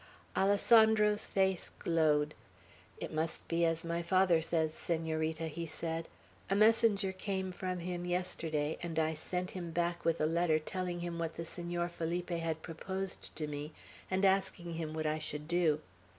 Alessandro's face glowed. "It must be as my father says, Senorita," he said. "A messenger came from him yesterday, and I sent him back with a letter telling him what the Senor Felipe had proposed to me, and asking him what I should do.